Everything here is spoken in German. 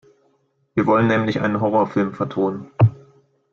Wir wollen nämlich einen Horrorfilm vertonen.